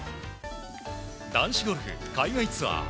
男子ゴルフ海外ツアー。